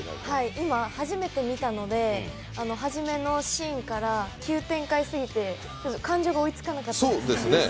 今、初めて見たので、初めのシーンから急展開すぎてちょっと感情が追いつかなかったです。